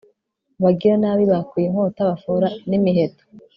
abagiranabi bakuye inkota, bafora n'imiheto